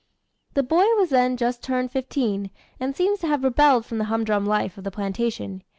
The boy was then just turned fifteen, and seems to have rebelled from the humdrum life of the plantation.